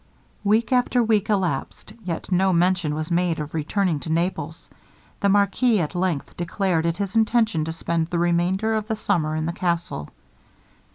Week after week elapsed, yet no mention was made of returning to Naples. The marquis at length declared it his intention to spend the remainder of the summer in the castle.